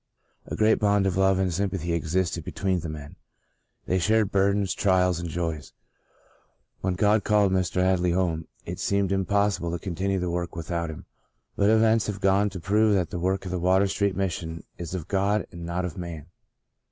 A great bond of love and sympathy ex isted between the men ; they shared burdens, trials and joys. When God called Mr. Had 34 God's Good Man ley home it seemed impossible to continue the work without him, but events have gone to prove that the work of the Water Street Mission is of God and not of man.